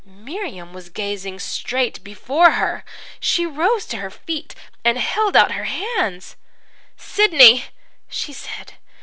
"Miriam was gazing straight before her. She rose to her feet and held out her hands. "'Sidney!' she said.